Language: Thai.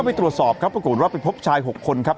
ไปตรวจสอบครับปรากฏว่าไปพบชาย๖คนครับ